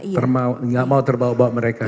tidak mau terbawa bawa mereka